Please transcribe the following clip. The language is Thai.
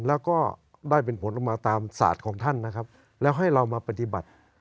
แล้วก็ได้เป็นผลออกมาตามศาสตร์ของท่านนะครับแล้วให้เรามาปฏิบัติ